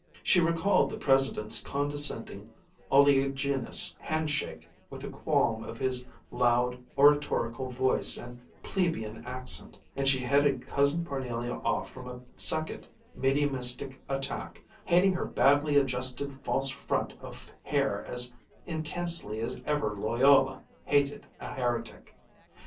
She received the President's condescending, oleaginous hand shake with a qualm at his loud oratorical voice and plebeian accent, and she headed Cousin Parnelia off from a second mediumistic attack, hating her badly adjusted false front of hair as intensely as ever Loyola hated a heretic.